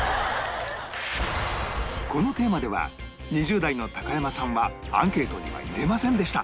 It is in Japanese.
このテーマでは２０代の高山さんはアンケートには入れませんでした